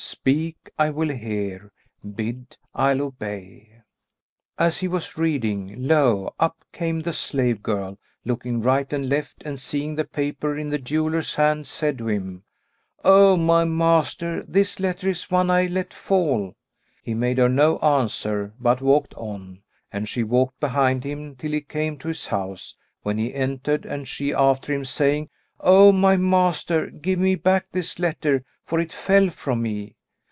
Speak; I will hear! Bid; I'll obey!'" As he was reading lo! up came the slave girl, looking right and left, and seeing the paper in the jeweller's hand, said to him, "O my master, this letter is one I let fall." He made her no answer, but walked on, and she walked behind him, till he came to his house, when he entered and she after him, saying, "O my master, give me back this letter, for it fell from me."